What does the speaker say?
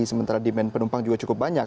sementara demand penumpang juga cukup banyak